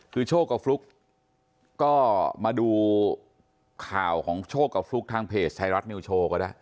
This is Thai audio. คือโชคกับฟลุ๊กก็มาดูข่าวของโชคกับฟลุ๊กทางเพจไทยรัฐนิวโชว์ก็ได้